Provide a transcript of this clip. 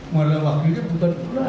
malah wakilnya bukan ulama